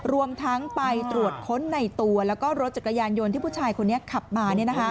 รวมทั้งไปตรวจค้นในตัวแล้วก็รถจักรยานยนต์ที่ผู้ชายคนนี้ขับมา